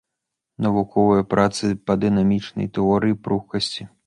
Навуковыя працы па дынамічнай тэорыі пругкасці.